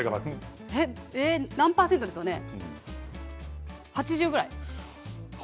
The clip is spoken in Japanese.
何％ですよね８０ぐらい？